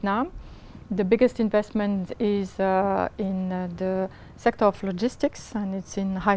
nhưng kết thúc lịch sử